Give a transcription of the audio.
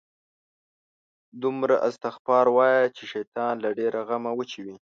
دومره استغفار وایه، چې شیطان له ډېره غمه وچوي